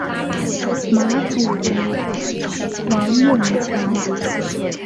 马主为王永强。